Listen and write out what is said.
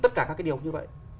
tất cả các cái điều như vậy